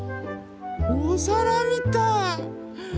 おさらみたい！